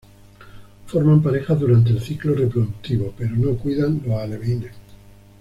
Forman parejas durante el ciclo reproductivo, pero no cuidan los alevines.